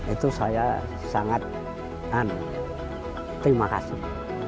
itu saya sangat terima kasih